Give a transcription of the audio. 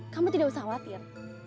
kamu tidak usah khawatir